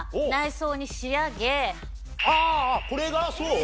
あこれがそう？